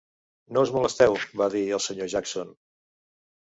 "No us molesteu", va dir el sr. Jackson.